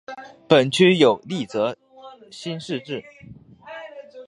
本区有立泽新市镇。